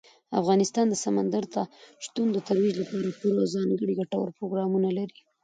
افغانستان د سمندر نه شتون د ترویج لپاره پوره او ځانګړي ګټور پروګرامونه لري.